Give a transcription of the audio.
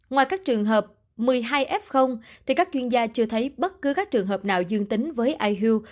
ngoài các trường hợp một mươi hai f các chuyên gia chưa thấy bất cứ các trường hợp nào dương tính với ihu